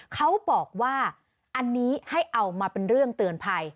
เขาบอกว่าอันนี้ให้เอามาเป็นเรื่องเตือนภัย